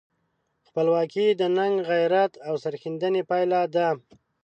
خپلواکي د ننګ، غیرت او سرښندنې پایله ده.